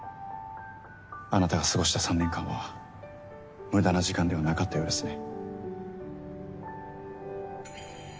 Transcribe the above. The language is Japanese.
あなたが過ごした３年間は無駄な時間ではなかったようですね。